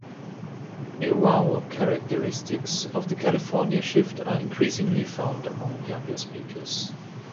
New vowel characteristics of the California Shift are increasingly found among younger speakers.